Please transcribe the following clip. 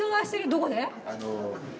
どこで？